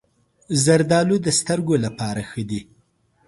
زردالو د سترګو لپاره ښه دي.